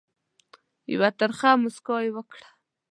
یوه ترخه مُسکا یې وکړه.